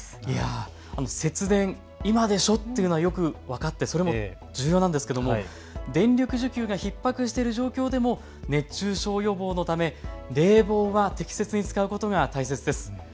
節電、今でしょ！っていうのはよく分かってそれも重要なんですけども、電力需給がひっ迫している状況でも熱中症予防のため冷房は適切に使うことが大切です。